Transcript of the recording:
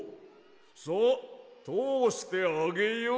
さあとおしてあげよう。